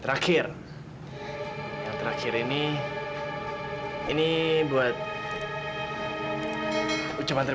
aku mau kasih ke ayah aja deh